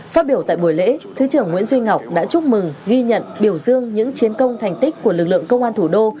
phát biểu tại buổi lễ thứ trưởng nguyễn duy ngọc đã chúc mừng ghi nhận biểu dương những chiến công thành tích của lực lượng công an thủ đô